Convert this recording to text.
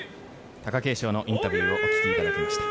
貴景勝のインタビューをお聞きいただきました。